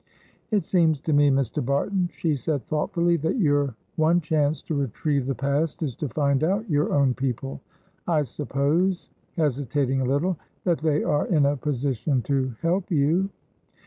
"It seems to me, Mr. Barton," she said, thoughtfully, "that your one chance to retrieve the past is to find out your own people. I suppose" hesitating a little "that they are in a position to help you?"